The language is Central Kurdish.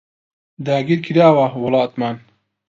داگیراوە وڵاتمان